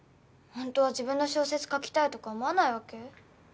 本当は自分の小説書きたいとか思わないわけ？